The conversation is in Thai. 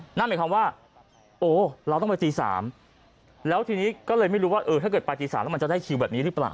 นั่นหมายความว่าโอ้เราต้องไปตี๓แล้วทีนี้ก็เลยไม่รู้ว่าเออถ้าเกิดไปตี๓แล้วมันจะได้คิวแบบนี้หรือเปล่า